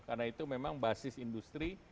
karena itu memang basis industri